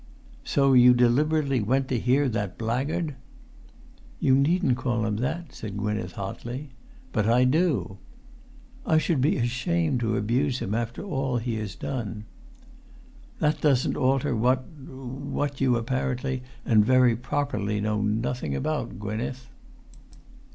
"So you deliberately went to hear that blackguard!" "You needn't call him that," said Gwynneth, hotly. "But I do." [Pg 328]"I should be ashamed to abuse him after all he has done!" "That doesn't alter what—what you apparently and very properly know nothing about, Gwynneth."